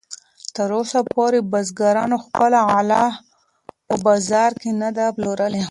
تراوسه پورې بزګرانو خپله غله په بازار کې نه ده پلورلې.